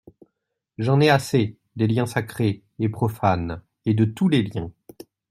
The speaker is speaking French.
J'en ai assez, des liens sacrés, et profanes, et de tous les liens.